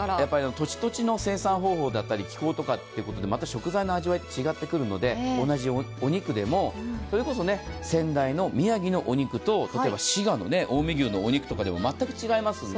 土地土地の生産方法だったり気候とかでまた食材の味わいは違ってくるので、同じお肉でもそれこそ仙台の宮城のお肉と例えば滋賀の近江牛のお肉でも全く違いますので。